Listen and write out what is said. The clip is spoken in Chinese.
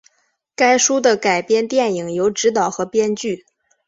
该书的改编电影由执导和编剧。